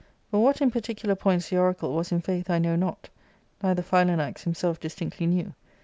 But what in particuli^f points the oracle was, in w iaith 1 know not ; neither Philanax himself distinctly knew.